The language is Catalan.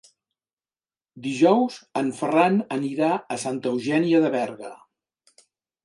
Dijous en Ferran anirà a Santa Eugènia de Berga.